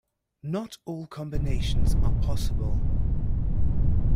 Not all combinations are possible.